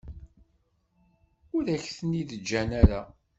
Ur ak-ten-id-ǧǧan ara.